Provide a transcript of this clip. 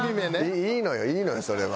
いいのよいいのよそれは。